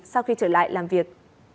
sau khi trở lại làm việc